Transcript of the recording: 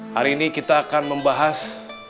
hari ini kita akan membahas